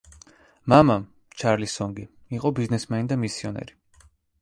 მამა, ჩარლი სონგი, იყო ბიზნესმენი და მისიონერი.